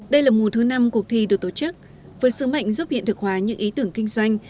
đây là mùa thứ năm cuộc thi được tổ chức với sứ mệnh giúp hiện thực hóa những ý tưởng kinh doanh